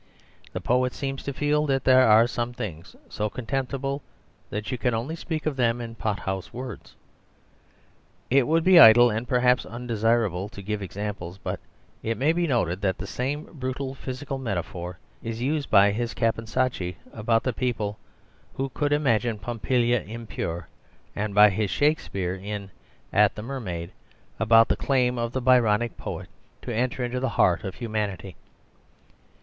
The poet seems to feel that there are some things so contemptible that you can only speak of them in pothouse words. It would be idle, and perhaps undesirable, to give examples; but it may be noted that the same brutal physical metaphor is used by his Caponsacchi about the people who could imagine Pompilia impure and by his Shakespeare in "At the Mermaid," about the claim of the Byronic poet to enter into the heart of humanity.